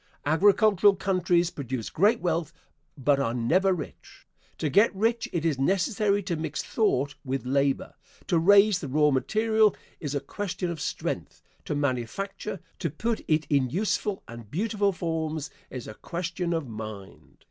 Agricultural countries produce great wealth, but are never rich. To get rich it is necessary to mix thought with labor. To raise the raw material is a question of strength; to manufacture, to put it in useful and beautiful forms, is a question of mind.